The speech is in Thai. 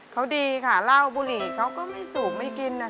เขาดีค่ะเหล้าบุหรี่เขาก็ไม่สูบไม่กินนะคะ